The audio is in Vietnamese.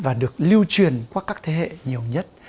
và được lưu truyền qua các thế hệ nhiều nhất